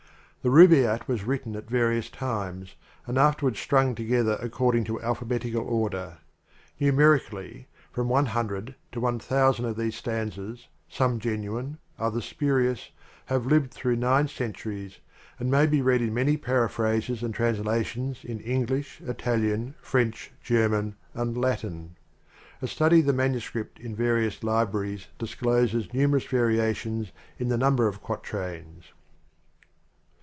The Rubaiyat was written at various times, and afterwards strung together ac cording to alphabetical order. Numerically, from one hundred to one thousand of these stanzas, some genuine, others spurious, have lived through nine centuries t and may he read in many para phrases and translations in English, Italian, French, German, arid Latin. A study of the man uscript in various libraries discloses numerous variations in the number of quatrains.